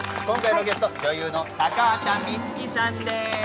今回のゲスト女優の高畑充希さんです。